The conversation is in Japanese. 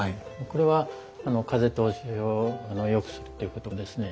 これは風通しをよくするっていうことですね。